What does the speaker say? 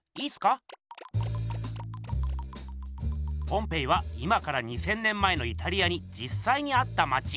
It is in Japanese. ポンペイは今から２，０００年前のイタリアにじっさいにあったまち。